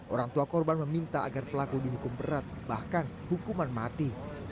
orang tua korban meminta agar pelaku dihukum berat bahkan hukuman mati